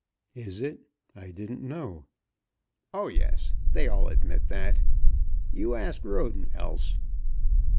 "Is it? I didn't know." "Oh yes. They all admit that. You ask Roden else."